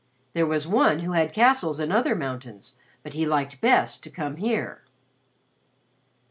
There was one who had castles in other mountains, but he liked best to come here.